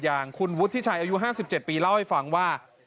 อย่างคุณวุฒิธิชัยอายุห้าสิบเจ็ดปีเล่าให้ฟังว่า